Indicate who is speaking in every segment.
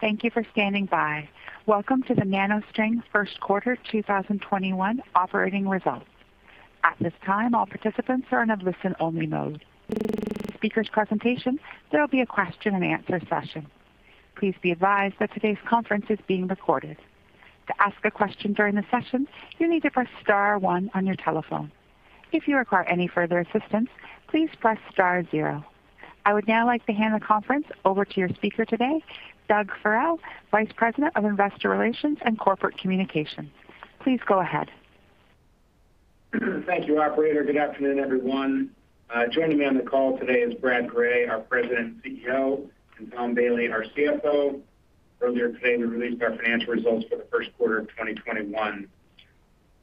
Speaker 1: Thank you for standing by. Welcome to the NanoString’s First Quarter 2021 Earnings Result. At this time all participants are in listen-only mode. After this presentation there will be a question and answer session. Please be advised that today’s conference is being recorded. To ask a question during the session, you need to press star one on your telephone. If you require any further assistance, please press star zero. I would now like to hand the conference over to your speaker today, Doug Farrell, Vice President of Investor Relations and Corporate Communications. Please go ahead.
Speaker 2: Thank you, operator. Good afternoon, everyone. Joining me on the call today is Brad Gray, our President and CEO, and Tom Bailey, our CFO. Earlier today, we released our financial results for the first quarter of 2021.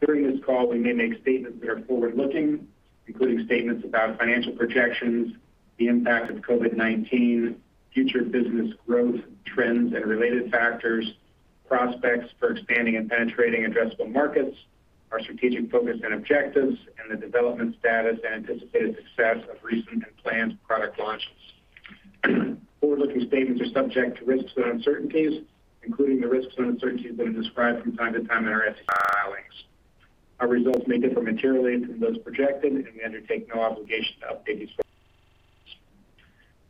Speaker 2: During this call, we may make statements that are forward-looking, including statements about financial projections, the impact of COVID-19, future business growth trends and related factors, prospects for expanding and penetrating addressable markets, our strategic focus and objectives, and the development status and anticipated success of recent and planned product launches. Forward-looking statements are subject to risks and uncertainties, including the risks and uncertainties that are described from time to time in our SEC filings. Our results may differ materially from those projected, and we undertake no obligation to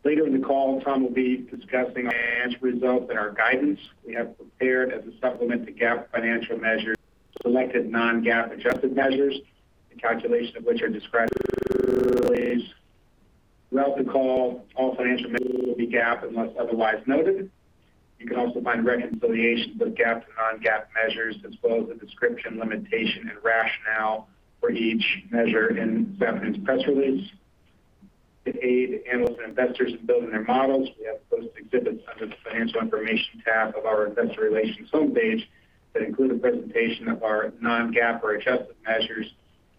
Speaker 2: update you. Later in the call, Tom will be discussing our financial results and our guidance. We have prepared as a supplement to GAAP financial measures, selected non-GAAP adjusted measures, the calculation of which are described in the release. Throughout the call, all financial measures will be GAAP unless otherwise noted. You can also find reconciliations with GAAP to non-GAAP measures, as well as a description, limitation, and rationale for each measure in the company's press release. To aid analysts and investors in building their models, we have posted exhibits under the Financial Information tab of our Investor Relations homepage that include a presentation of our non-GAAP or adjusted measures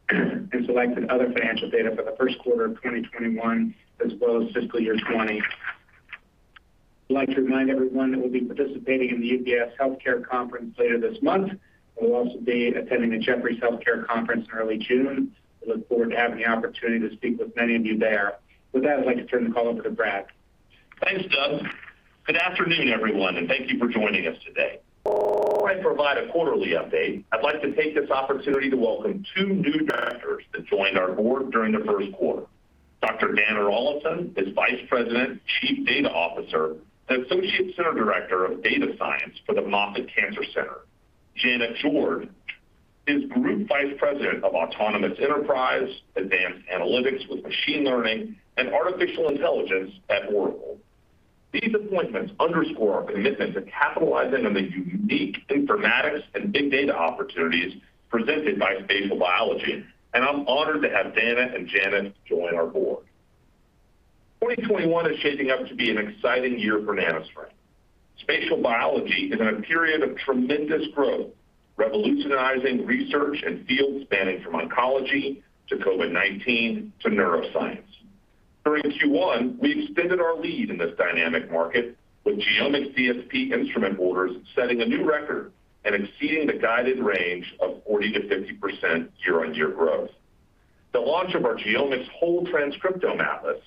Speaker 2: and selected other financial data for the first quarter of 2021, as well as fiscal year 2020. I'd like to remind everyone that we'll be participating in the UBS Global Healthcare Conference later this month. We will also be attending the Jefferies Global Healthcare Conference in early June. We look forward to having the opportunity to speak with many of you there. With that, I'd like to turn the call over to Brad.
Speaker 3: Thanks, Doug. Good afternoon, everyone, and thank you for joining us today. Before I provide a quarterly update, I'd like to take this opportunity to welcome two new directors that joined our board during the first quarter. Dr. Dana Rollison is Vice President, Chief Data Officer, and Associate Center Director of Data Science for the Moffitt Cancer Center. Janet George is Group Vice President of Autonomous Enterprise, Advanced Analytics with Machine Learning and Artificial Intelligence at Oracle. These appointments underscore our commitment to capitalizing on the unique informatics and big data opportunities presented by spatial biology, and I'm honored to have Dana and Janet join our board. 2021 is shaping up to be an exciting year for NanoString. Spatial biology is in a period of tremendous growth, revolutionizing research and fields spanning from oncology to COVID-19 to neuroscience. During Q1, we extended our lead in this dynamic market with GeoMx DSP instrument orders setting a new record and exceeding the guided range of 40%-50% year-on-year growth. The launch of our GeoMx Whole Transcriptome Atlas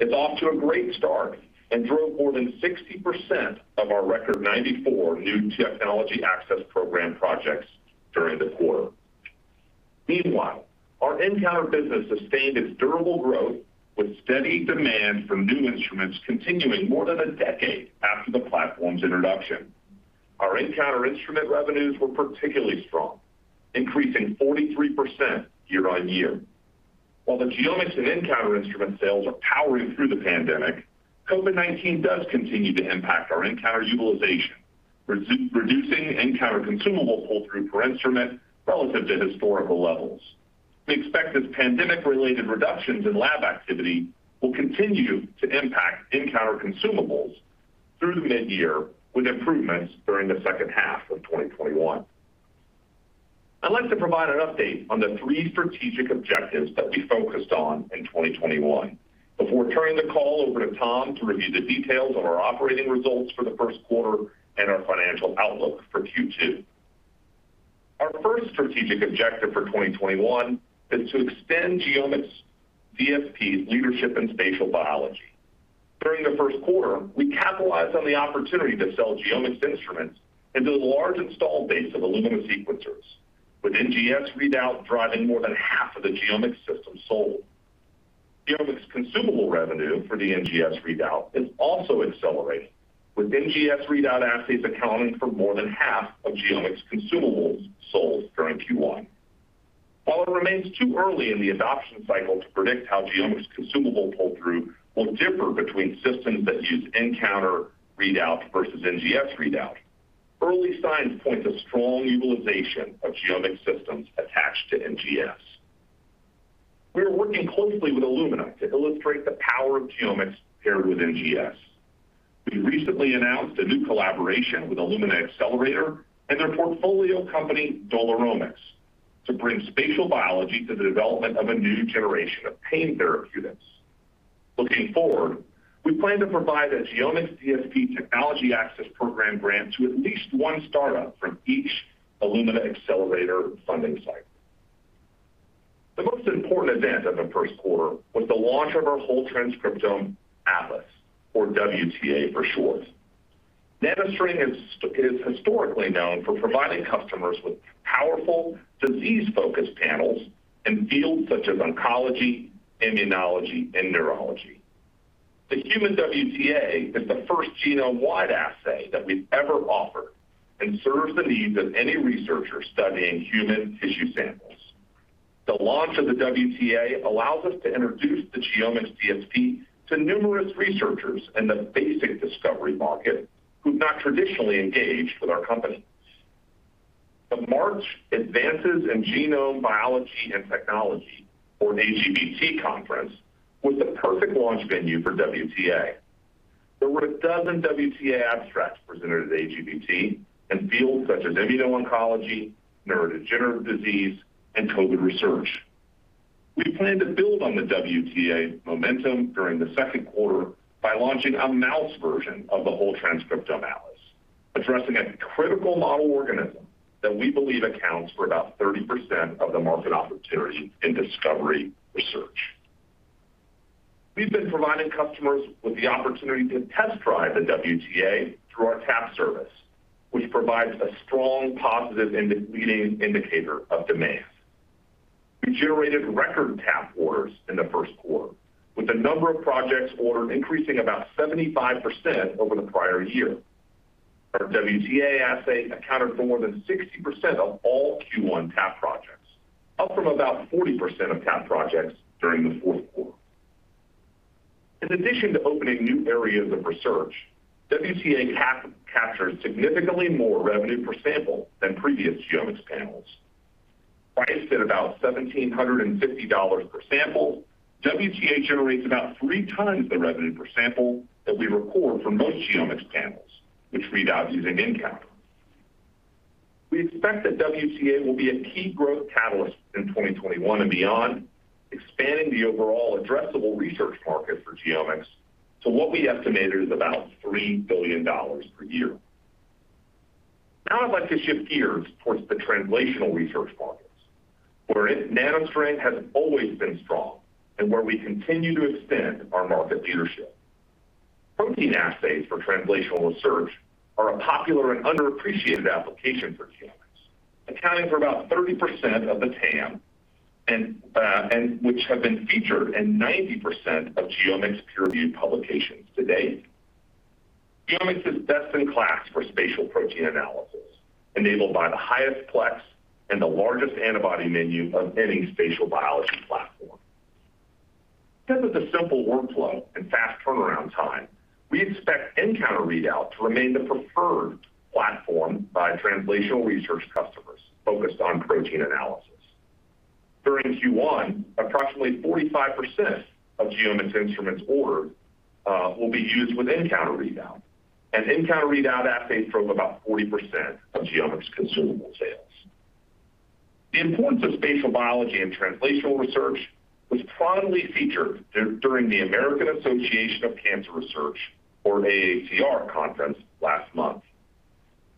Speaker 3: is off to a great start and drove more than 60% of our record 94 new Technology Access Program projects during the quarter. Meanwhile, our nCounter business sustained its durable growth, with steady demand for new instruments continuing more than a decade after the platform's introduction. Our nCounter instrument revenues were particularly strong, increasing 43% year-on-year. The GeoMx and nCounter instrument sales are powering through the pandemic, COVID-19 does continue to impact our nCounter utilization, reducing nCounter consumable pull-through per instrument relative to historical levels. We expect this pandemic-related reductions in lab activity will continue to impact nCounter consumables through mid-year, with improvements during the second half of 2021. I'd like to provide an update on the three strategic objectives that we focused on in 2021 before turning the call over to Tom to review the details on our operating results for the first quarter and our financial outlook for Q2. Our first strategic objective for 2021 is to extend GeoMx DSP's leadership in spatial biology. During the first quarter, we capitalized on the opportunity to sell GeoMx instruments into the large installed base of Illumina sequencers, with NGS readout driving more than half of the GeoMx systems sold. GeoMx consumable revenue for the NGS readout is also accelerating, with NGS readout assays accounting for more than half of GeoMx consumables sold during Q1. While it remains too early in the adoption cycle to predict how GeoMx consumable pull-through will differ between systems that use nCounter readout versus NGS readout, early signs point to strong utilization of GeoMx systems attached to NGS. We are working closely with Illumina to illustrate the power of GeoMx paired with NGS. We recently announced a new collaboration with Illumina Accelerator and their portfolio company, Doloromics, to bring spatial biology to the development of a new generation of pain therapeutics. Looking forward, we plan to provide a GeoMx DSP technology access program grant to at least one startup from each Illumina Accelerator funding cycle. Important event in the first quarter was the launch of our Whole Transcriptome Atlas, or WTA for short. NanoString is historically known for providing customers with powerful disease-focused panels in fields such as oncology, immunology, and neurology. The Human WTA is the first genome-wide assay that we've ever offered and serves the needs of any researcher studying human tissue samples. The launch of the WTA allows us to introduce the GeoMx DSP to numerous researchers in the basic discovery market who've not traditionally engaged with our company. The March Advances in Genome Biology and Technology, or AGBT Conference, was the perfect launch venue for WTA. There were a dozen WTA abstracts presented at AGBT in fields such as immuno-oncology, neurodegenerative disease, and COVID research. We plan to build on the WTA momentum during the second quarter by launching a mouse version of the Whole Transcriptome Atlas, addressing a critical model organism that we believe accounts for about 30% of the market opportunity in discovery research. We've been providing customers with the opportunity to test drive the WTA through our TA service, which provides a strong positive leading indicator of demand. We generated record TA orders in the first quarter, with the number of projects ordered increasing about 75% over the prior year. Our WTA assay accounted for more than 60% of all Q1 TA projects, up from about 40% of TA projects during the fourth quarter. In addition to opening new areas of research, WTA captures significantly more revenue per sample than previous GeoMx panels. Priced at about $1,750 per sample, WTA generates about 3x the revenue per sample that we record for most GeoMx panels, which read out using nCounter. We expect that WTA will be a key growth catalyst in 2021 and beyond, expanding the overall addressable research market for GeoMx to what we estimated is about $3 billion per year. I'd like to shift gears towards the translational research markets, wherein NanoString has always been strong and where we continue to extend our market leadership. Protein assays for translational research are a popular and underappreciated application for GeoMx, accounting for about 30% of the TAM, and which have been featured in 90% of GeoMx peer-reviewed publications to date. GeoMx is best in class for spatial protein analysis, enabled by the highest plex and the largest antibody menu of any spatial biology platform. Because of the simple workflow and fast turnaround time, we expect nCounter readout to remain the preferred platform by translational research customers focused on protein analysis. During Q1, approximately 45% of GeoMx instruments ordered will be used with nCounter readout, and nCounter readout assays drove about 40% of GeoMx consumable sales. The importance of spatial biology and translational research was prominently featured during the American Association for Cancer Research, or AACR conference last month.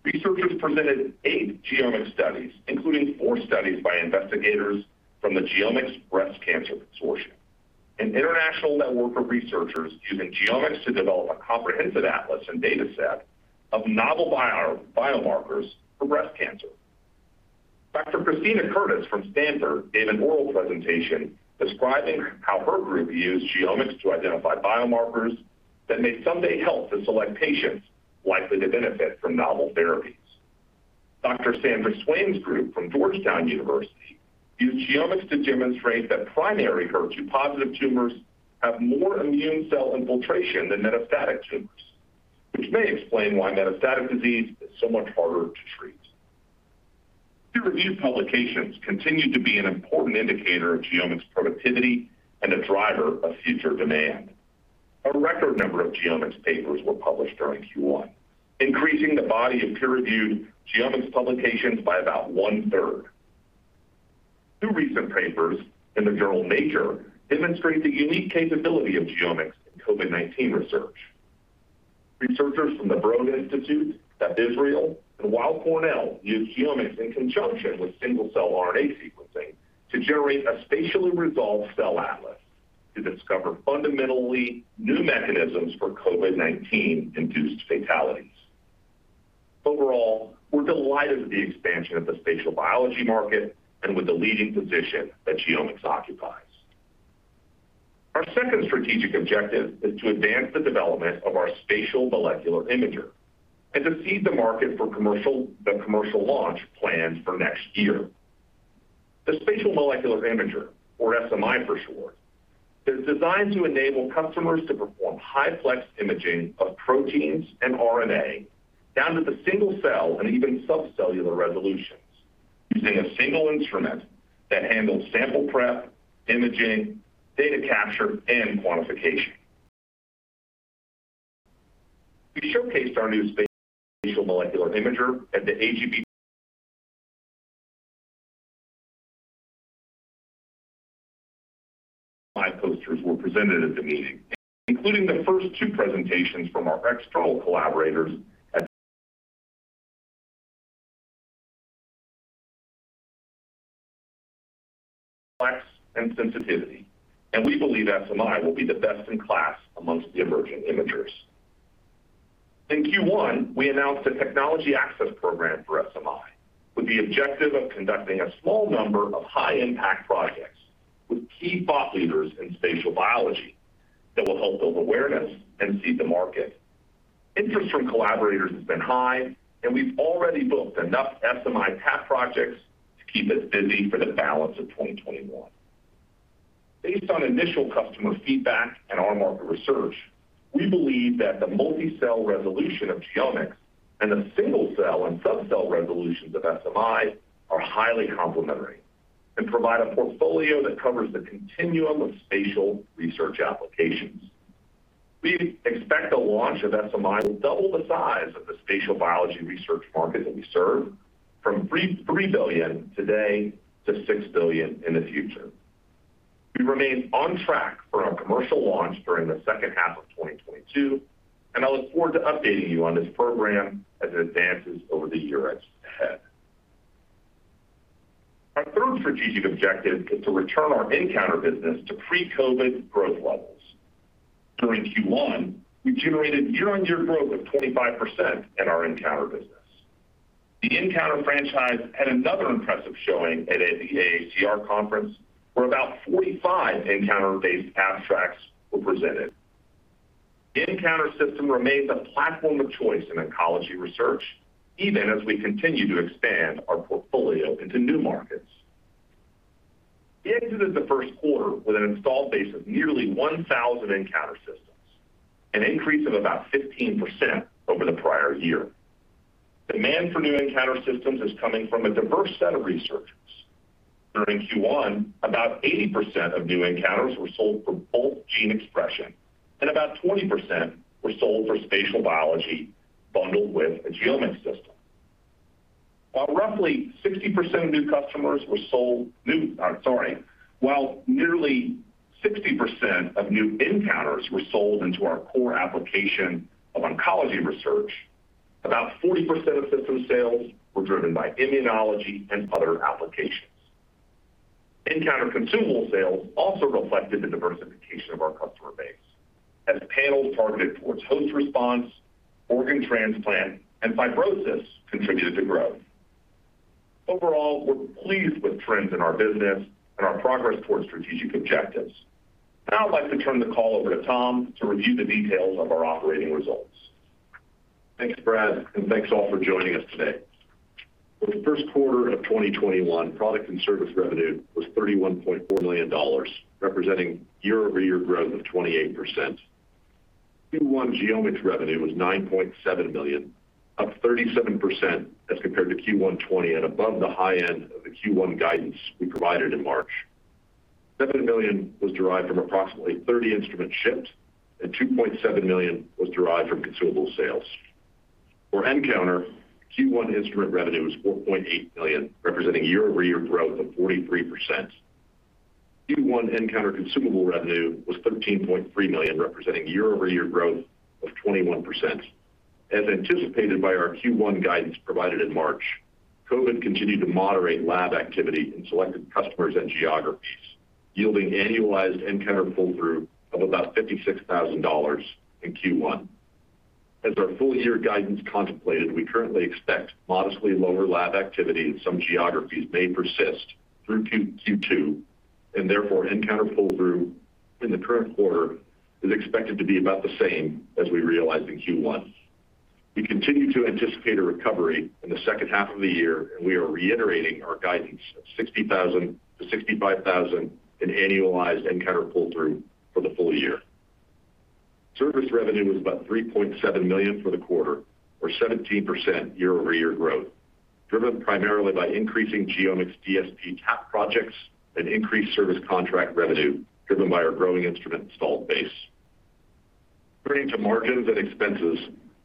Speaker 3: Researchers presented eight GeoMx studies, including four studies by investigators from the GeoMx Breast Cancer Consortium, an international network of researchers using GeoMx to develop a comprehensive atlas and data set of novel biomarkers for breast cancer. Dr. Christina Curtis from Stanford gave an oral presentation describing how her group used GeoMx to identify biomarkers that may someday help to select patients likely to benefit from novel therapies. Dr. Sandra Swain's group from Georgetown University used GeoMx to demonstrate that primary HER2-positive tumors have more immune cell infiltration than metastatic tumors, which may explain why metastatic disease is so much harder to treat. Peer-reviewed publications continue to be an important indicator of GeoMx productivity and a driver of future demand. A record number of GeoMx papers were published during Q1, increasing the body of peer-reviewed GeoMx publications by about 1/3. Two recent papers in the journal Nature demonstrate the unique capability of GeoMx in COVID-19 research. Researchers from the Broad Institute at Israel and Weill Cornell used GeoMx in conjunction with single-cell RNA sequencing to generate a spatially resolved cell atlas to discover fundamentally new mechanisms for COVID-19-induced fatalities. Overall, we're delighted with the expansion of the spatial biology market and with the leading position that GeoMx occupies. Our second strategic objective is to advance the development of our Spatial Molecular Imager and to seed the market for the commercial launch planned for next year. The Spatial Molecular Imager, or SMI for short, is designed to enable customers to perform high-plex imaging of proteins and RNA down to the single-cell and even sub-cellular resolutions using a single instrument that handles sample prep, imaging, data capture, and quantification. We showcased our new Spatial Molecular Imager at the AGBT. Five posters were presented at the meeting, including the first two presentations from our external collaborators at-plex and sensitivity, and we believe SMI will be the best in class amongst the emerging imagers. In Q1, we announced a technology access program for SMI with the objective of conducting a small number of high-impact projects with key thought leaders in spatial biology that will help build awareness and seed the market. Interest from collaborators has been high, and we've already booked enough SMI TAP projects to keep us busy for the balance of 2021. Based on initial customer feedback and our market research, we believe that the multi-cell resolution of GeoMx and the single-cell and sub-cell resolutions of SMI are highly complementary and provide a portfolio that covers the continuum of spatial research applications. We expect the launch of SMI will double the size of the spatial biology research market that we serve from $3 billion today to $6 billion in the future. We remain on track for our commercial launch during the second half of 2022, and I look forward to updating you on this program as it advances over the year ahead. Our third strategic objective is to return our nCounter business to pre-COVID growth levels. During Q1, we generated year-on-year growth of 25% in our nCounter business. The nCounter franchise had another impressive showing at the AACR conference, where about 45 nCounter-based abstracts were presented. The nCounter system remains a platform of choice in oncology research, even as we continue to expand our portfolio into new markets. We exited the first quarter with an installed base of nearly 1,000 nCounter systems, an increase of about 15% over the prior year. Demand for new nCounter systems is coming from a diverse set of researchers. During Q1, about 80% of new nCounters were sold for bulk gene expression, and about 20% were sold for spatial biology bundled with a GeoMx system. While roughly 60% of new customers were sold. While nearly 60% of new nCounters were sold into our core application of oncology research, about 40% of system sales were driven by immunology and other applications. nCounter consumable sales also reflected the diversification of our customer base, as panels targeted towards host response, organ transplant, and fibrosis contributed to growth. Overall, we're pleased with trends in our business and our progress towards strategic objectives, and I would like to turn the call over to Tom to review the details of our operating results.
Speaker 4: Thanks, Brad, and thanks all for joining us today. For the first quarter of 2021, product and service revenue was $31.4 million, representing year-over-year growth of 28%. Q1 GeoMx revenue was $9.7 million, up 37% as compared to Q1 2020 and above the high end of the Q1 guidance we provided in March. $7 million was derived from approximately 30 instruments shipped, and $2.7 million was derived from consumable sales. For nCounter, Q1 instrument revenue was $4.8 million, representing year-over-year growth of 43%. Q1 nCounter consumable revenue was $13.3 million, representing year-over-year growth of 21%. As anticipated by our Q1 guidance provided in March, COVID continued to moderate lab activity in selected customers and geographies, yielding annualized nCounter pull-through of about $56,000 in Q1. As our full-year guidance contemplated, we currently expect modestly lower lab activity in some geographies may persist through Q2, and therefore nCounter pull-through in the current quarter is expected to be about the same as we realized in Q1. We continue to anticipate a recovery in the second half of the year, and we are reiterating our guidance of $60,000-$65,000 in annualized nCounter pull-through for the full year. Service revenue was about $3.7 million for the quarter or 17% year-over-year growth, driven primarily by increasing GeoMx DSP TAP projects and increased service contract revenue driven by our growing instrument installed base. Turning to margins and expenses,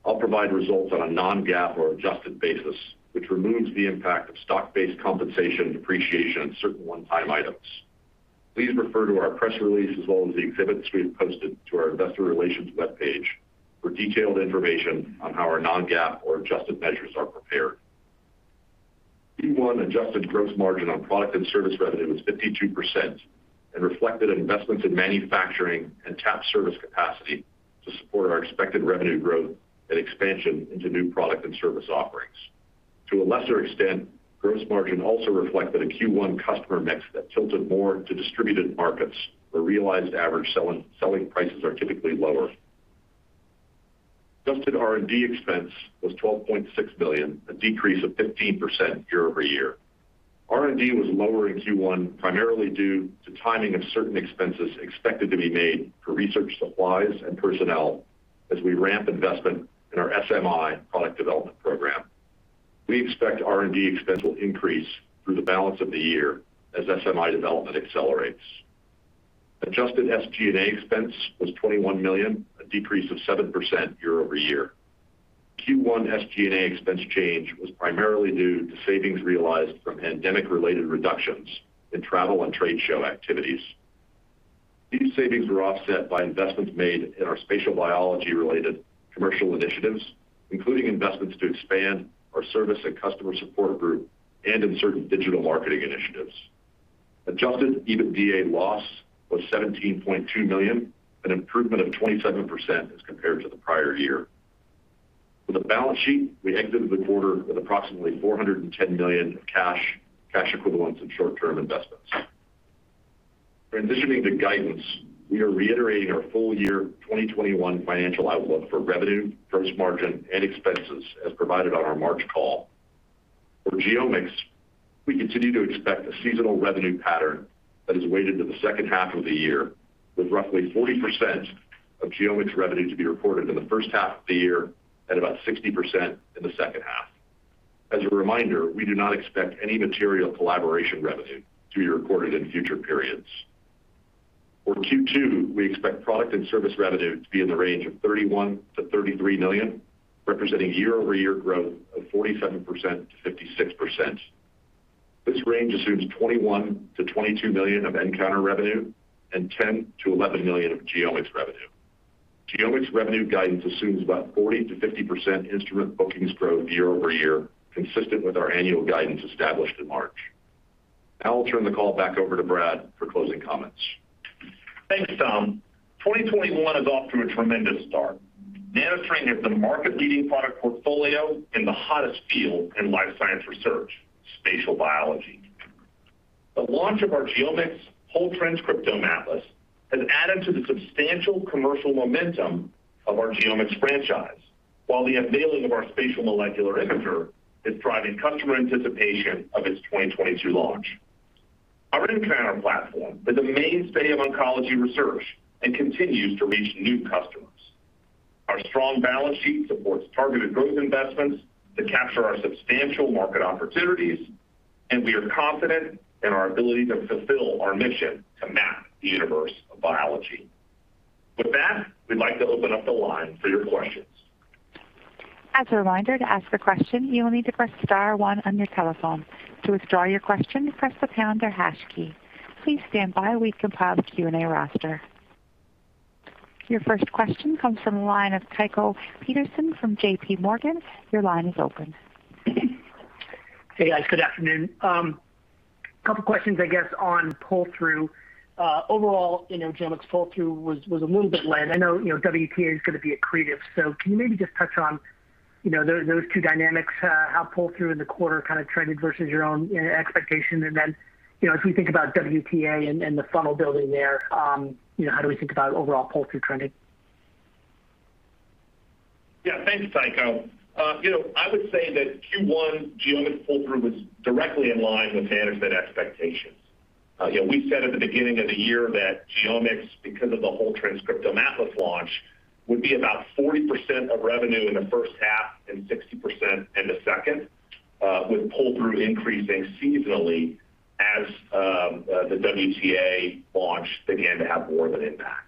Speaker 4: I'll provide results on a non-GAAP or adjusted basis, which removes the impact of stock-based compensation, depreciation, and certain one-time items. Please refer to our press release as well as the exhibits we have posted to our investor relations webpage for detailed information on how our non-GAAP or adjusted measures are prepared. Q1 adjusted gross margin on product and service revenue was 52% and reflected investments in manufacturing and TAP service capacity to support our expected revenue growth and expansion into new product and service offerings. To a lesser extent, gross margin also reflected a Q1 customer mix that tilted more to distributed markets, where realized average selling prices are typically lower. Adjusted R&D expense was $12.6 million, a decrease of 15% year-over-year. R&D was lower in Q1 primarily due to timing of certain expenses expected to be made for research supplies and personnel as we ramp investment in our SMI product development program. We expect R&D expense will increase through the balance of the year as SMI development accelerates. Adjusted SG&A expense was $21 million, a decrease of 7% year-over-year. Q1 SG&A expense change was primarily due to savings realized from pandemic-related reductions in travel and trade show activities. These savings were offset by investments made in our spatial biology-related commercial initiatives, including investments to expand our service and customer support group and in certain digital marketing initiatives. Adjusted EBITDA loss was $17.2 million, an improvement of 27% as compared to the prior year. For the balance sheet, we exited the quarter with approximately $410 million cash, cash equivalents, and short-term investments. Transitioning to guidance, we are reiterating our full year 2021 financial outlook for revenue, gross margin, and expenses as provided on our March call. For GeoMx, we continue to expect a seasonal revenue pattern that is weighted to the second half of the year, with roughly 40% of GeoMx revenue to be reported in the first half of the year and about 60% in the second half. As a reminder, we do not expect any material collaboration revenue to be reported in future periods. For Q2, we expect product and service revenue to be in the range of $31 million-$33 million, representing year-over-year growth of 47%-56%. This range assumes $21 million-$22 million of nCounter revenue and $10 million-$11 million of GeoMx revenue. GeoMx revenue guidance assumes about 40%-50% instrument bookings growth year-over-year, consistent with our annual guidance established in March. I'll turn the call back over to Brad for closing comments.
Speaker 3: Thanks, Tom. 2021 is off to a tremendous start. NanoString has the market-leading product portfolio in the hottest field in life science research, spatial biology. The launch of our GeoMx Whole Transcriptome Atlas has added to the substantial commercial momentum of our GeoMx franchise, while the unveiling of our Spatial Molecular Imager is driving customer anticipation of its 2022 launch. Our nCounter platform is a mainstay of oncology research and continues to reach new customers. Our strong balance sheet supports targeted growth investments to capture our substantial market opportunities, and we are confident in our ability to fulfill our mission to map the universe of biology. With that, we'd like to open up the line for your questions.
Speaker 1: As a reminder, to ask a question, you will need to press star one on your telephone. To withdraw your question, press the pound or hash key. Please stand by while we compile the Q&A roster. Your first question comes from the line of Tycho Peterson from JPMorgan. Your line is open.
Speaker 5: Hey, guys. Good afternoon. Couple questions, I guess, on pull-through. Overall, GeoMx pull-through was a little bit less. I know WTA is going to be accretive, so can you maybe just touch on those two dynamics, how pull-through in the quarter kind of trended versus your own expectation? As we think about WTA and the funnel building there, how do we think about overall pull-through trending?
Speaker 3: Thanks, Tycho. I would say that Q1 GeoMx pull-through was directly in line with management expectations. We said at the beginning of the year that GeoMx, because of the Whole Transcriptome Atlas launch, would be about 40% of revenue in the first half and 60% in the second, with pull-through increasing seasonally as the WTA launch began to have more of an impact.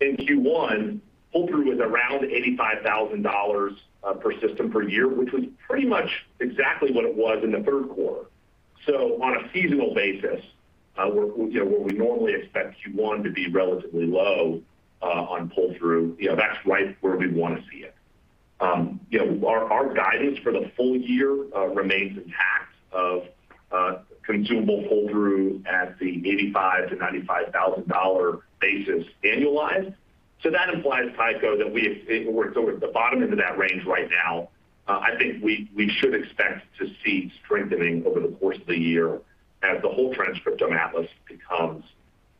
Speaker 3: In Q1, pull-through was around $85,000 per system per year, which was pretty much exactly what it was in the third quarter. On a seasonal basis, where we normally expect Q1 to be relatively low on pull-through, that's right where we want to see it. Our guidance for the full year remains intact of consumable pull-through at the $85,000-$95,000 basis annualized. That implies, Tycho, that we're toward the bottom end of that range right now. I think we should expect to see strengthening over the course of the year as the Whole Transcriptome Atlas becomes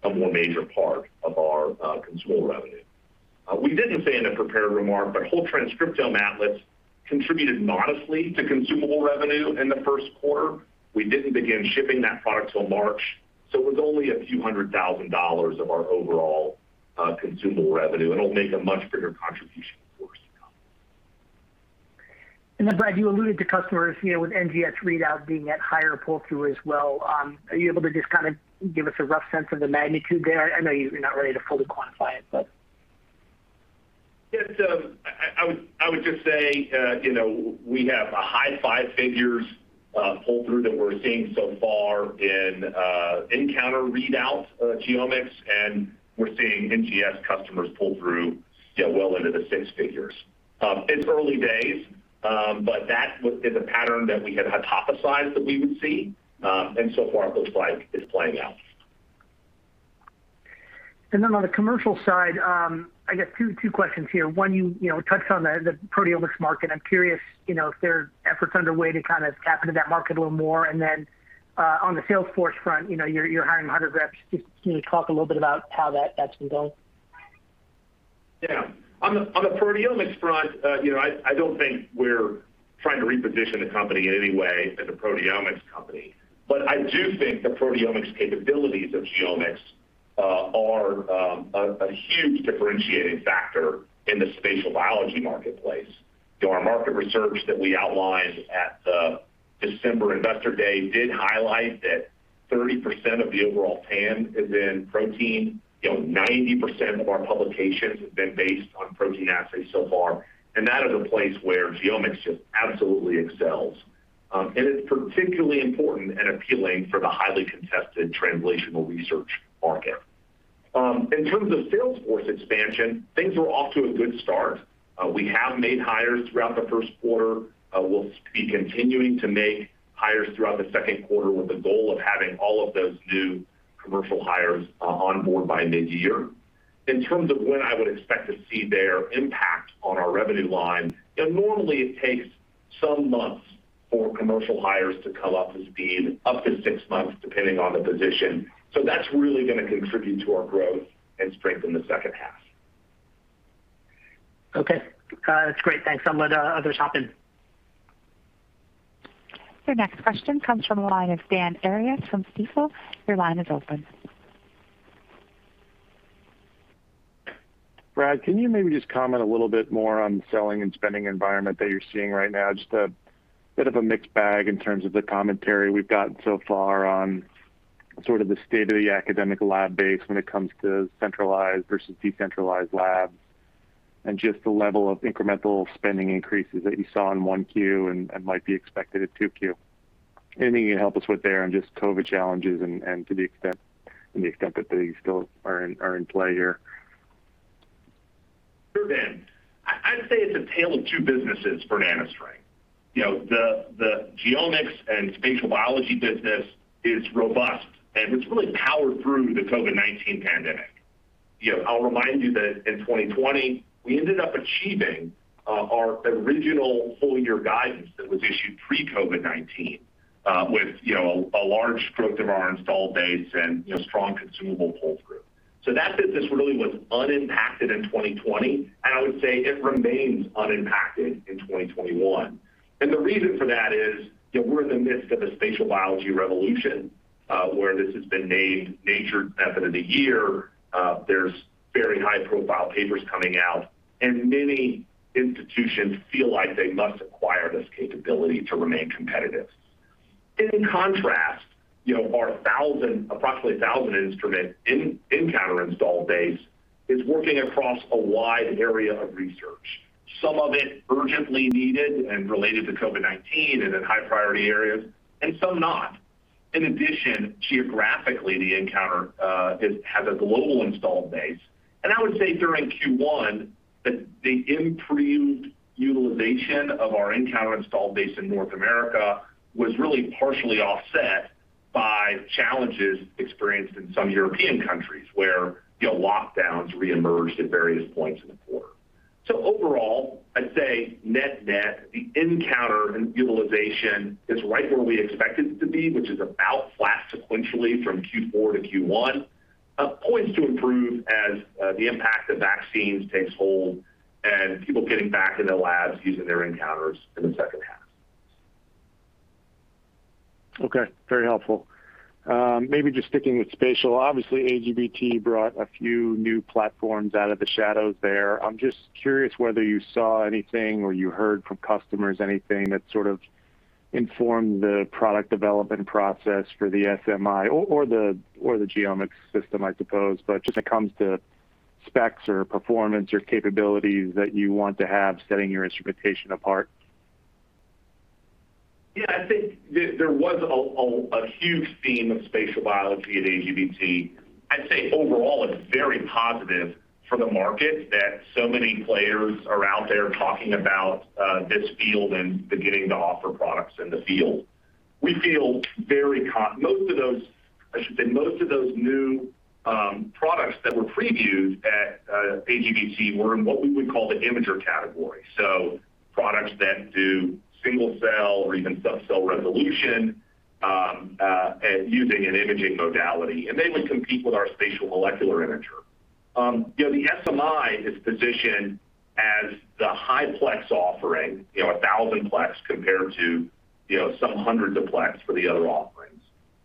Speaker 3: a more major part of our consumable revenue. We didn't say in the prepared remarks, but Whole Transcriptome Atlas contributed modestly to consumable revenue in the first quarter. We didn't begin shipping that product till March, so it was only few hundred thousand dollars of our overall consumable revenue, and it'll make a much bigger contribution, of course, to come.
Speaker 5: Brad, you alluded to customers with NGS readout being at higher pull-through as well. Are you able to just kind of give us a rough sense of the magnitude there? I know you're not ready to fully quantify it.
Speaker 3: Yes, I would just say, we have a high five figures pull-through that we're seeing so far in nCounter readout GeoMx, and we're seeing NGS customers pull through well into the six figures. It's early days, but that is a pattern that we had hypothesized that we would see, and so far it looks like it's playing out.
Speaker 5: On the commercial side, I got two questions here. One, you touched on the proteomics market. I'm curious if there are efforts underway to kind of tap into that market a little more. On the sales force front, you're hiring 100 reps. Just can you talk a little bit about how that's been going?
Speaker 3: Yeah. On the proteomics front, I don't think we're trying to reposition the company in any way as a proteomics company. I do think the proteomics capabilities of GeoMx are a huge differentiating factor in the spatial biology marketplace. Our market research that we outlined at the December Investor Day did highlight that 30% of the overall TAM is in protein. 90% of our publications have been based on protein assays so far, and that is a place where GeoMx just absolutely excels. It's particularly important and appealing for the highly contested translational research market. In terms of sales force expansion, things are off to a good start. We have made hires throughout the first quarter. We'll be continuing to make hires throughout the second quarter with the goal of having all of those new commercial hires on board by mid-year. In terms of when I would expect to see their impact on our revenue line, normally it takes some months for commercial hires to come up to speed, up to six months, depending on the position. That's really going to contribute to our growth and strength in the second half.
Speaker 5: Okay. That's great. Thanks. I'm going to let others hop in.
Speaker 1: Your next question comes from the line of Dan Arias from Stifel. Your line is open.
Speaker 6: Brad, can you maybe just comment a little bit more on selling and spending environment that you're seeing right now? Just a bit of a mixed bag in terms of the commentary we've gotten so far on sort of the state of the academic lab base when it comes to centralized versus decentralized labs and just the level of incremental spending increases that you saw in 1Q and might be expected at 2Q? Anything you can help us with there on just COVID challenges and to the extent that they still are in play here?
Speaker 3: Sure, Dan. I'd say it's a tale of two businesses for NanoString. The GeoMx and spatial biology business is robust, and it's really powered through the COVID-19 pandemic. I'll remind you that in 2020, we ended up achieving our original full-year guidance that was issued pre-COVID-19, with a large growth of our installed base and strong consumable pull-through. That business really was unimpacted in 2020, and I would say it remains unimpacted in 2021. The reason for that is, we're in the midst of a spatial biology revolution, where this has been named Nature Method of the Year. There's very high profile papers coming out, and many institutions feel like they must acquire this capability to remain competitive. In contrast, our approximately 1,000 nCounter installed base is working across a wide area of research, some of it urgently needed and related to COVID-19 and in high priority areas, and some not. In addition, geographically, the nCounter has a global installed base. I would say during Q1 that the improved utilization of our nCounter installed base in North America was really partially offset by challenges experienced in some European countries, where lockdowns reemerged at various points in the quarter. Overall, I'd say net-net, the nCounter utilization is right where we expect it to be, which is about flat sequentially from Q4 to Q1, points to improve as the impact of vaccines takes hold and people getting back in their labs using their nCounters in the second half.
Speaker 6: Okay. Very helpful. Maybe just sticking with spatial, obviously AGBT brought a few new platforms out of the shadows there. I'm just curious whether you saw anything or you heard from customers anything that sort of informed the product development process for the SMI or the GeoMx system, I suppose, but just when it comes to specs or performance or capabilities that you want to have setting your instrumentation apart.
Speaker 3: I think there was a huge theme of spatial biology at AGBT. I'd say overall, it's very positive for the market that so many players are out there talking about this field and beginning to offer products in the field. Most of those new products that were previewed at AGBT were in what we would call the imager category, so products that do single-cell or even sub-cell resolution using an imaging modality, and they would compete with our Spatial Molecular Imager. The SMI is positioned as the highplex offering, a thousand plex compared to some hundreds of plex for the other offerings,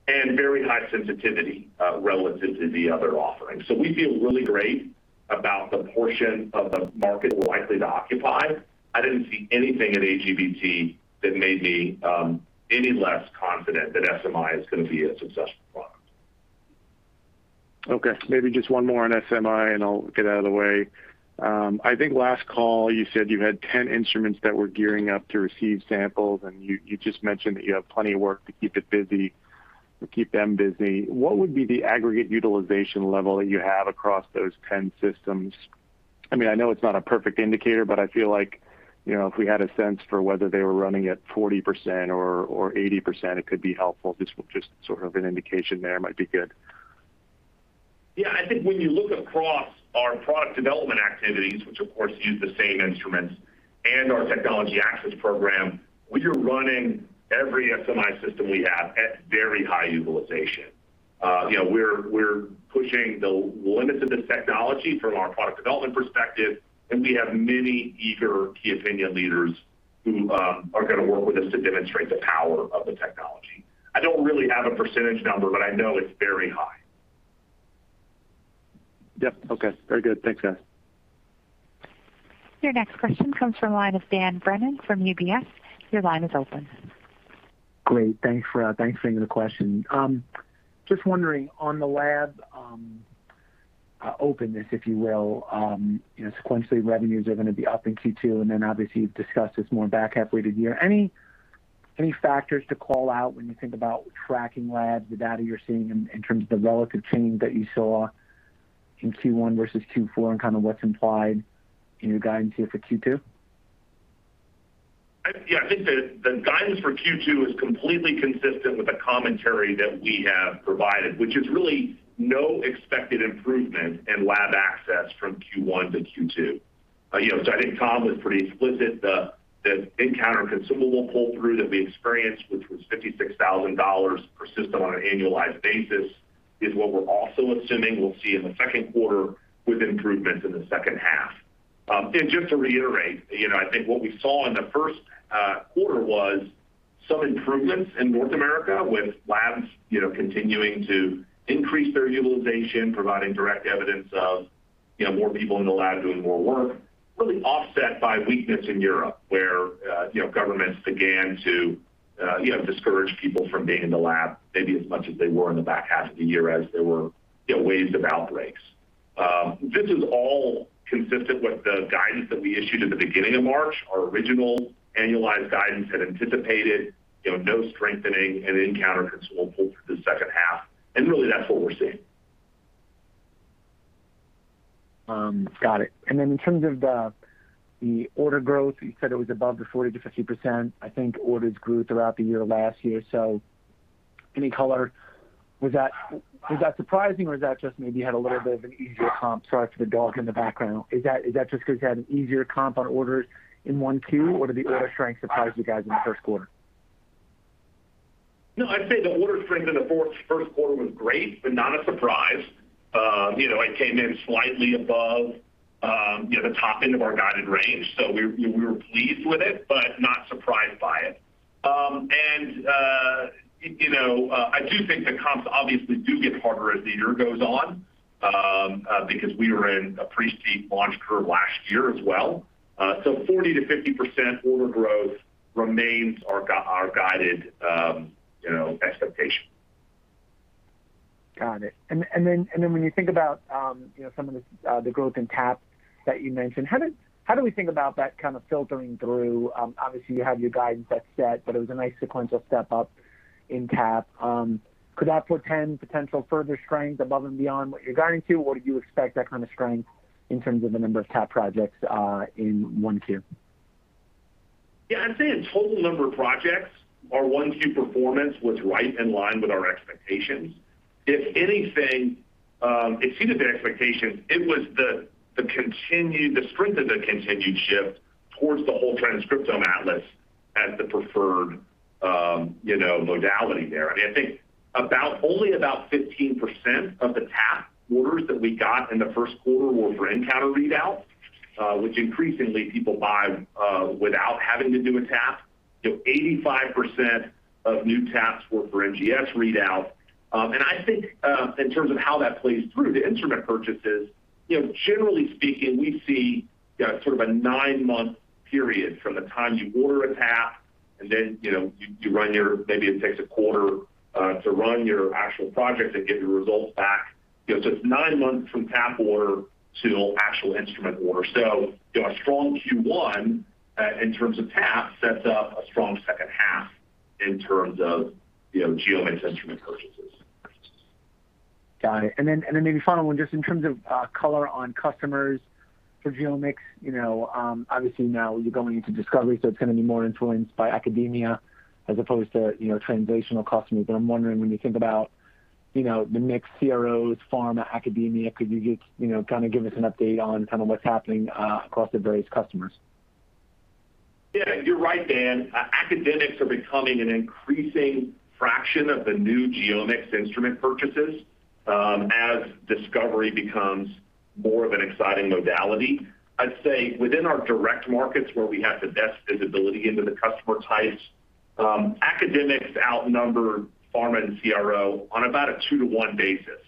Speaker 3: and very high sensitivity relative to the other offerings. We feel really great about the portion of the market we're likely to occupy. I didn't see anything at AGBT that made me any less confident that SMI is going to be a successful product.
Speaker 6: Maybe just one more on SMI, and I'll get out of the way. I think last call, you said you had 10 instruments that were gearing up to receive samples, and you just mentioned that you have plenty of work to keep them busy. What would be the aggregate utilization level that you have across those 10 systems? I know it's not a perfect indicator, but I feel like if we had a sense for whether they were running at 40% or 80%, it could be helpful. Sort of an indication there might be good.
Speaker 3: I think when you look across our product development activities, which of course use the same instruments, and our technology access program, we are running every SMI system we have at very high utilization. We're pushing the limits of this technology from our product development perspective, and we have many eager key opinion leaders who are going to work with us to demonstrate the power of the technology. I don't really have a percentage number, but I know it's very high.
Speaker 6: Yep. Okay. Very good. Thanks, guys.
Speaker 1: Your next question comes from the line of Dan Brennan from UBS. Your line is open.
Speaker 7: Great. Thanks for taking the question. Just wondering, on the lab openness, if you will. Sequentially, revenues are going to be up in Q2, and then obviously you've discussed it's more back half weighted year. Any factors to call out when you think about tracking labs, the data you're seeing in terms of the relative change that you saw in Q1 versus Q4, and what's implied in your guidance here for Q2?
Speaker 3: I think the guidance for Q2 is completely consistent with the commentary that we have provided, which is really no expected improvement in lab access from Q1 to Q2. I think Tom was pretty explicit. The nCounter consumable pull-through that we experienced, which was $56,000 per system on an annualized basis, is what we're also assuming we'll see in the second quarter with improvements in the second half. Just to reiterate, I think what we saw in the first quarter was some improvements in North America with labs continuing to increase their utilization, providing direct evidence of more people in the lab doing more work, really offset by weakness in Europe where governments began to discourage people from being in the lab maybe as much as they were in the back half of the year as there were waves of outbreaks. This is all consistent with the guidance that we issued at the beginning of March. Our original annualized guidance had anticipated no strengthening in nCounter consumable pull through the second half. Really, that's what we're seeing.
Speaker 7: Got it. In terms of the order growth, you said it was above the 40%-50%. I think orders grew throughout the year last year. Any color, was that surprising or is that just maybe you had a little bit of an easier comp? Sorry for the dog in the background. Is that just because you had an easier comp on orders in one, two, or did the order strength surprise you guys in the first quarter?
Speaker 3: I'd say the order strength in the first quarter was great, but not a surprise. It came in slightly above the top end of our guided range, we were pleased with it, but not surprised by it. I do think the comps obviously do get harder as the year goes on because we were in a pretty steep launch curve last year as well. 40%-50% order growth remains our guided expectation.
Speaker 7: Got it. When you think about some of the growth in TAP that you mentioned, how do we think about that kind of filtering through? Obviously, you have your guidance that's set, but it was a nice sequential step up in TAP. Could that portend potential further strength above and beyond what you're guiding to, or do you expect that kind of strength in terms of the number of TAP projects in one, two?
Speaker 3: Yeah, I'd say in total number of projects, our one, two performance was right in line with our expectations. If anything, it exceeded the expectations. It was the strength of the continued shift towards the Whole Transcriptome Atlas as the preferred modality there. I think only about 15% of the TAP orders that we got in the first quarter were for nCounter readout, which increasingly people buy without having to do a TAP. 85% of new TAPs were for NGS readout. I think in terms of how that plays through to instrument purchases, generally speaking, we see sort of a nine-month period from the time you order a TAP and then maybe it takes a quarter to run your actual project and get your results back. It's nine months from TAP order to actual instrument order. A strong Q1 in terms of TAP sets up a strong second half in terms of GeoMx instrument purchases.
Speaker 7: Got it. Maybe final one, just in terms of color on customers for GeoMx, obviously now you're going into discovery, it's going to be more influenced by academia as opposed to translational customers. I'm wondering, when you think about the mix, CROs, pharma, academia, could you just give us an update on what's happening across the various customers?
Speaker 3: You're right, Dan. Academics are becoming an increasing fraction of the new GeoMx instrument purchases as discovery becomes more of an exciting modality. I'd say within our direct markets where we have the best visibility into the customer types, academics outnumber pharma and CRO on about a 2:1 basis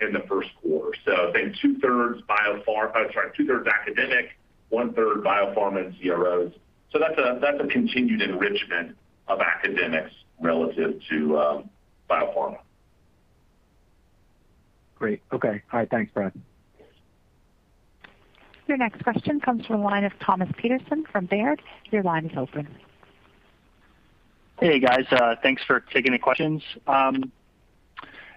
Speaker 3: in the first quarter. I'd say 2/3 academic, 1/3 biopharma and CROs. That's a continued enrichment of academics relative to biopharma.
Speaker 7: Great. Okay. All right. Thanks, Brad.
Speaker 1: Your next question comes from the line of Thomas Peterson from Baird. Your line is open.
Speaker 8: Hey, guys. Thanks for taking the questions.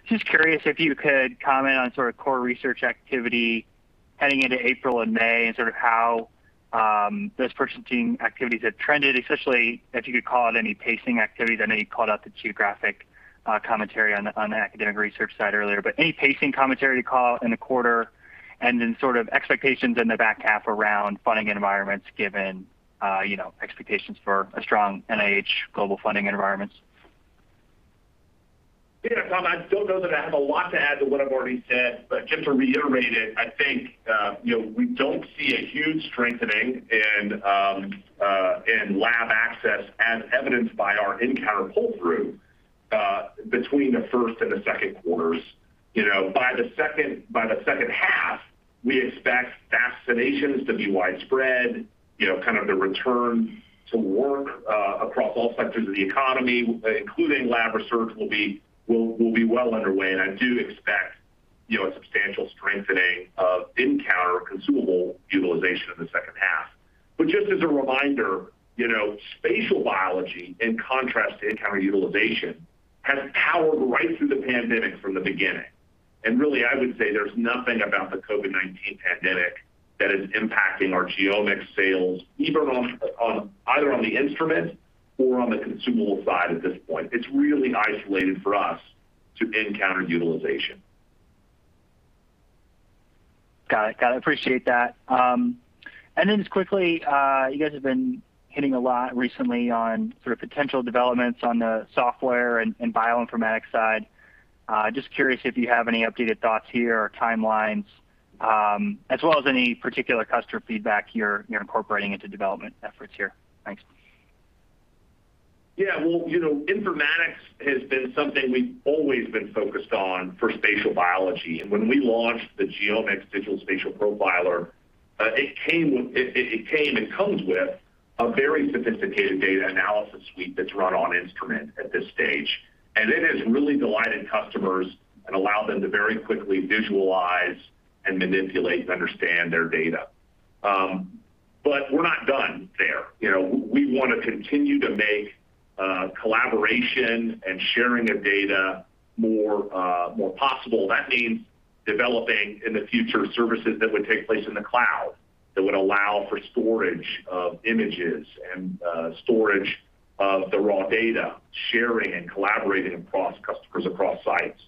Speaker 8: Just curious if you could comment on sort of core research activity heading into April and May and sort of how those purchasing activities have trended, especially if you could call out any pacing activities. I know you called out the geographic commentary on the academic research side earlier, but any pacing commentary to call in the quarter, and then sort of expectations in the back half around funding environments given expectations for a strong NIH global funding environments?
Speaker 3: Thomas, I don't know that I have a lot to add to what I've already said, but just to reiterate it, I think we don't see a huge strengthening in lab access as evidenced by our nCounter pull-through between the first and the second quarters. By the second half, we expect vaccinations to be widespread, kind of the return to work across all sectors of the economy, including lab research will be well underway. I do expect a substantial strengthening of nCounter consumable utilization in the second half. Just as a reminder, spatial biology, in contrast to nCounter utilization, has powered right through the pandemic from the beginning. Really, I would say there's nothing about the COVID-19 pandemic that is impacting our GeoMx sales, either on the instrument or on the consumable side at this point. It's really isolated for us to nCounter utilization.
Speaker 8: Got it. Appreciate that. Just quickly, you guys have been hitting a lot recently on sort of potential developments on the software and bioinformatics side. Just curious if you have any updated thoughts here or timelines, as well as any particular customer feedback you're incorporating into development efforts here. Thanks.
Speaker 3: Well, informatics has been something we've always been focused on for spatial biology, and when we launched the GeoMx Digital Spatial Profiler, it comes with a very sophisticated data analysis suite that's run on instrument at this stage. It has really delighted customers and allowed them to very quickly visualize and manipulate and understand their data. We're not done there. We want to continue to make collaboration and sharing of data more possible. That means developing, in the future, services that would take place in the cloud that would allow for storage of images and storage of the raw data, sharing and collaborating across customers, across sites.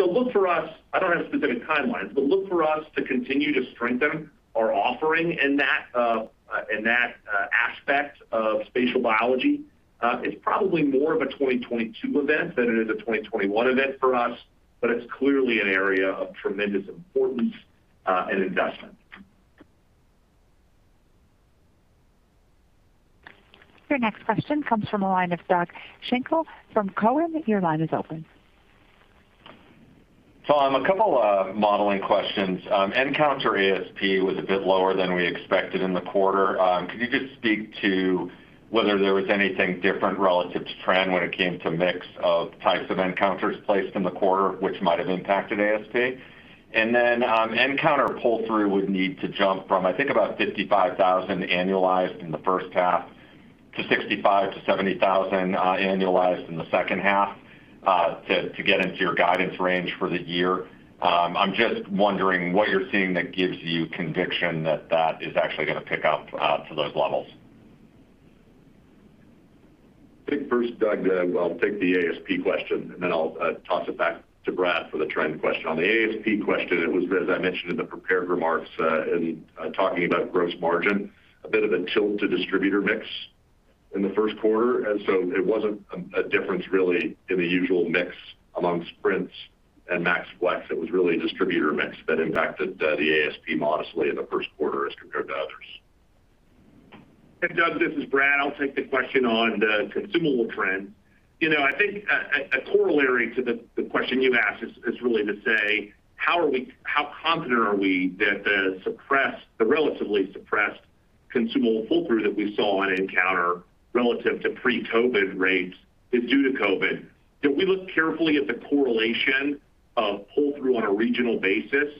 Speaker 3: Look for us, I don't have specific timelines, but look for us to continue to strengthen our offering in that aspect of spatial biology. It's probably more of a 2022 event than it is a 2021 event for us, but it's clearly an area of tremendous importance and investment.
Speaker 1: Your next question comes from the line of Doug Schenkel from Cowen. Your line is open.
Speaker 9: Tom, a couple of modeling questions. nCounter ASP was a bit lower than we expected in the quarter. Could you just speak to whether there was anything different relative to trend when it came to mix of types of nCounters placed in the quarter, which might have impacted ASP? Then nCounter pull-through would need to jump from, I think about $55,000 annualized in the first half to $65,000-$70,000 annualized in the second half, to get into your guidance range for the year. I'm just wondering what you're seeing that gives you conviction that that is actually going to pick up to those levels.
Speaker 4: I think first, Doug, I'll take the ASP question, then I'll toss it back to Brad for the trend question. On the ASP question, it was, as I mentioned in the prepared remarks, in talking about gross margin, a bit of a tilt to distributor mix in the first quarter. It wasn't a difference really in the usual mix among SPRINTs and MAX/FLEX. It was really a distributor mix that impacted the ASP modestly in the first quarter as compared to others.
Speaker 3: Hey, Doug, this is Brad. I'll take the question on the consumable trend. I think a corollary to the question you asked is really to say, how confident are we that the relatively suppressed consumable pull-through that we saw on nCounter relative to pre-COVID-19 rates is due to COVID-19? We look carefully at the correlation of pull-through on a regional basis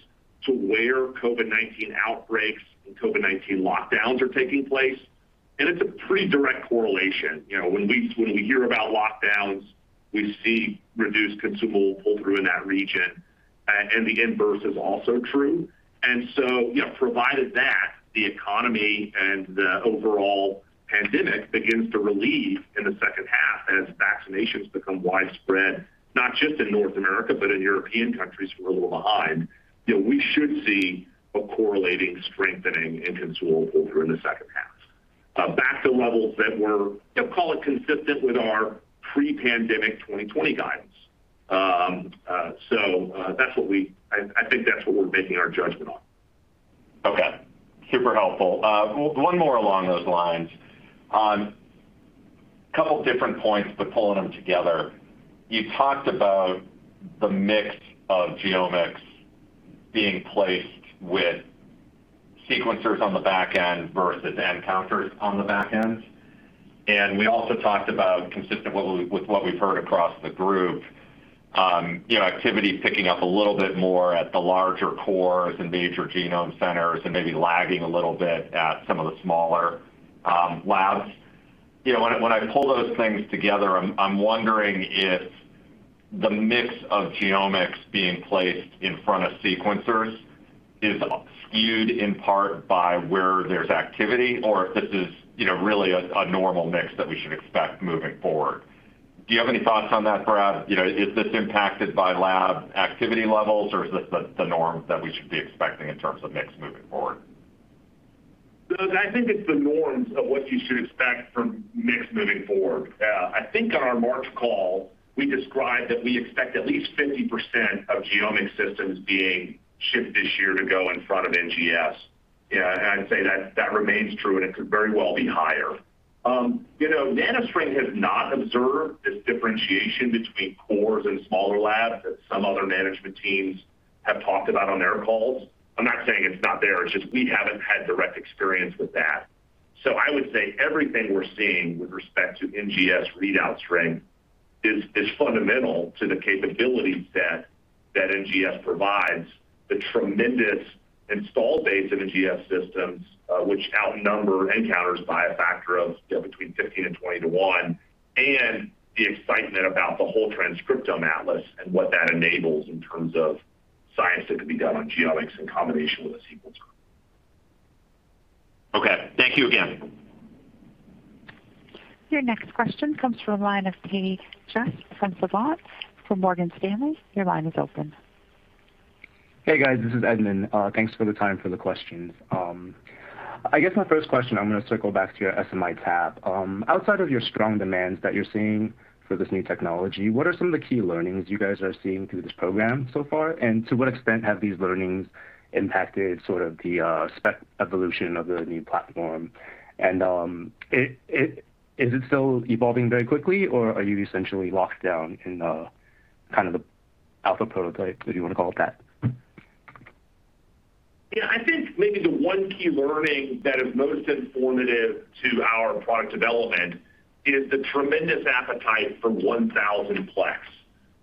Speaker 3: to where COVID-19 outbreaks and COVID-19 lockdowns are taking place. It's a pretty direct correlation. When we hear about lockdowns, we see reduced consumable pull-through in that region. The inverse is also true. Provided that the economy and the overall pandemic begins to relieve in the second half as vaccinations become widespread, not just in North America, but in European countries who are a little behind, we should see a correlating strengthening in consumable pull-through in the second half back to levels that were, call it consistent with our pre-pandemic 2020 guidance. I think that's what we're making our judgment on.
Speaker 9: Okay. Super helpful. One more along those lines. On a couple of different points, but pulling them together, you talked about the mix of GeoMx being placed with sequencers on the back end versus nCounters on the back end. We also talked about, consistent with what we've heard across the group, activity picking up a little bit more at the larger cores and major genome centers and maybe lagging a little bit at some of the smaller labs. When I pull those things together, I'm wondering if the mix of GeoMx being placed in front of sequencers is skewed in part by where there's activity, or if this is really a normal mix that we should expect moving forward. Do you have any thoughts on that, Brad? Is this impacted by lab activity levels, or is this the norm that we should be expecting in terms of mix moving forward?
Speaker 3: Doug, I think it's the norms of what you should expect from mix moving forward. I think on our March call, we described that we expect at least 50% of GeoMx systems being shipped this year to go in front of NGS. I'd say that remains true, and it could very well be higher. NanoString has not observed this differentiation between cores and smaller labs that some other management teams have talked about on their calls. I'm not saying it's not there, it's just we haven't had direct experience with that. I would say everything we're seeing with respect to NGS readout string is fundamental to the capability set that NGS provides, the tremendous install base of NGS systems, which outnumber nCounter by a factor of between 15 and 20 to one, and the excitement about the Whole Transcriptome Atlas and what that enables in terms of science that can be done on genomics in combination with a sequencer group.
Speaker 9: Okay. Thank you again.
Speaker 1: Your next question comes from the line of Tejas Savant for Morgan Stanley. Your line is open.
Speaker 10: Hey, guys. This is Edmond. Thanks for the time for the questions. I guess my first question, I'm going to circle back to your SMI TAP. Outside of your strong demands that you're seeing for this new technology, what are some of the key learnings you guys are seeing through this program so far? To what extent have these learnings impacted sort of the spec evolution of the new platform, and is it still evolving very quickly, or are you essentially locked down in kind of the alpha prototype, if you want to call it that?
Speaker 3: I think maybe the one key learning that is most informative to our product development is the tremendous appetite for 1,000 plex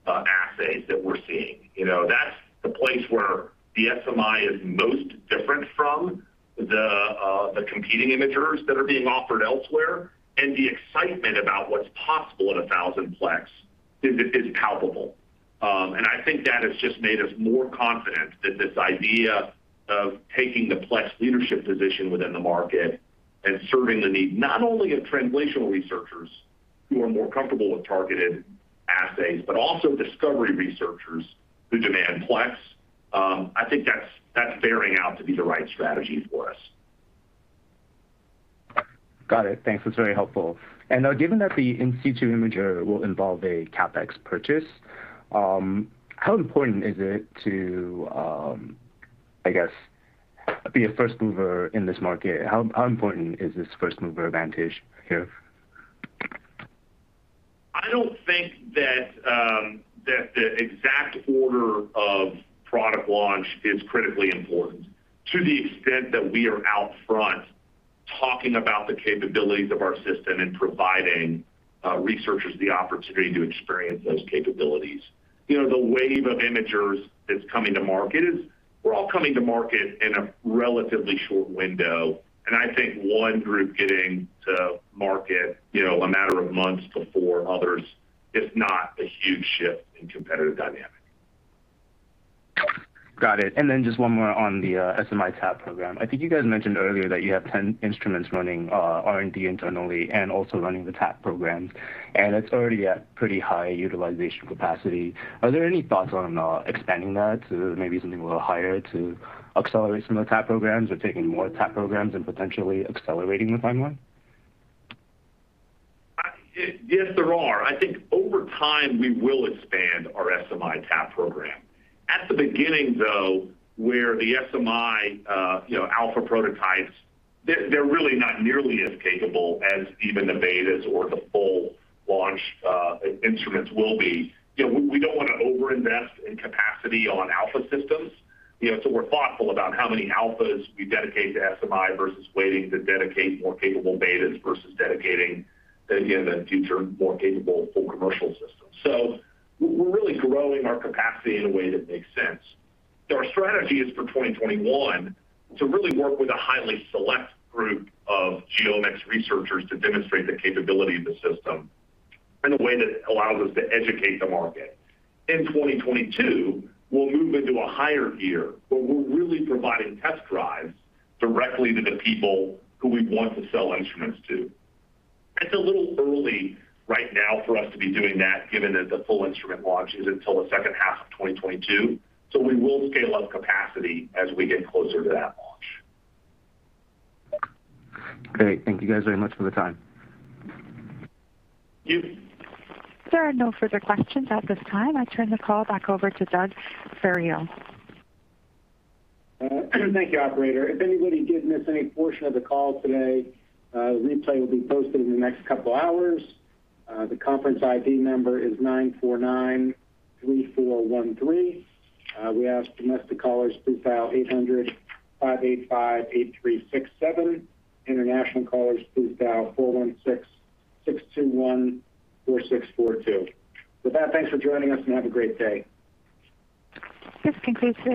Speaker 3: assays that we're seeing. That's the place where the SMI is most different from the competing imagers that are being offered elsewhere, and the excitement about what's possible at 1,000 plex is palpable. I think that has just made us more confident that this idea of taking the plex leadership position within the market and serving the need, not only of translational researchers who are more comfortable with targeted assays, but also discovery researchers who demand plex. I think that's bearing out to be the right strategy for us.
Speaker 10: Got it. Thanks. That's very helpful. Now, given that the in situ imager will involve a CapEx purchase, how important is it to, I guess, be a first mover in this market? How important is this first-mover advantage here?
Speaker 3: I don't think that the exact order of product launch is critically important to the extent that we are out front talking about the capabilities of our system and providing researchers the opportunity to experience those capabilities. The wave of imagers that's coming to market is we're all coming to market in a relatively short window, and I think one group getting to market a matter of months before others is not a huge shift in competitive dynamic.
Speaker 10: Got it. Just one more on the SMI TAP program. I think you guys mentioned earlier that you have 10 instruments running R&D internally and also running the TAP programs, and it's already at pretty high utilization capacity. Are there any thoughts on expanding that to maybe something a little higher to accelerate some of the TAP programs or taking more TAP programs and potentially accelerating the timeline?
Speaker 3: Yes, there are. I think over time, we will expand our SMI TAP program. At the beginning, though, where the SMI alpha prototypes, they're really not nearly as capable as even the betas or the full launch instruments will be. We don't want to over-invest in capacity on alpha systems, so we're thoughtful about how many alphas we dedicate to SMI versus waiting to dedicate more capable betas versus dedicating, again, the future more capable full commercial systems. We're really growing our capacity in a way that makes sense. Our strategy is for 2021 to really work with a highly select group of GeoMx researchers to demonstrate the capability of the system in a way that allows us to educate the market. In 2022, we'll move into a higher gear, where we're really providing test drives directly to the people who we want to sell instruments to. It's a little early right now for us to be doing that, given that the full instrument launch isn't until the second half of 2022, so we will scale up capacity as we get closer to that launch.
Speaker 10: Great. Thank you guys very much for the time.
Speaker 3: Thank you.
Speaker 1: There are no further questions at this time. I turn the call back over to Doug Farrell.
Speaker 2: Thank you, operator. If anybody did miss any portion of the call today, a replay will be posted in the next couple of hours. The conference ID number is 949-3413. We ask domestic callers please dial 800-585-8367. International callers, please dial 416-621-4642. With that, thanks for joining us and have a great day.
Speaker 1: This concludes.